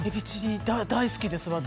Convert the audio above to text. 大好きです、私。